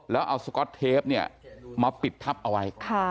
แล้วเอาสก๊อตเทปมาปิดทับเอาไว้